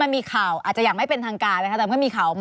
มันมีข่าวอาจจะอย่าไม่เป็นทางการแล้วฮะแต่มันก็มีข่าว